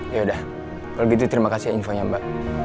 yaudah kalau gitu terima kasih ya infonya mbak